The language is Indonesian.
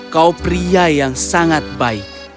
kau pria yang sangat baik